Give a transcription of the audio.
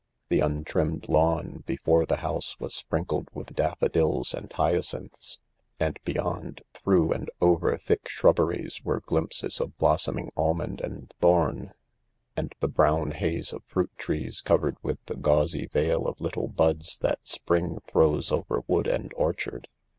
The untrimmed lawn before the house was sprinkled with daffodils and hyacinths, and beyond, through and over thick shrubberies, were glimpses of blossom ing almond and thorn, and the brown haze of fruit trees covered with the gauzy veil of little buds that spring throws over wood and orchard.